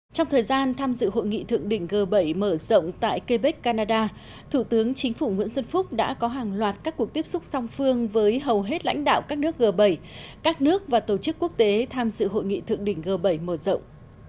trong thời gian tham dự hội nghị thượng đỉnh g bảy mở rộng tại quebec canada thủ tướng chính phủ nguyễn xuân phúc đã có hàng loạt các cuộc tiếp xúc song phương với hầu hết lãnh đạo các nước g bảy các nước và tổ chức quốc tế tham dự hội nghị thượng đỉnh g bảy mở rộng